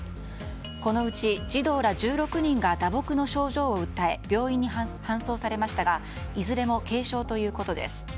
このうち児童ら１６人が打撲の症状を訴え病院に搬送されましたがいずれも軽傷ということです。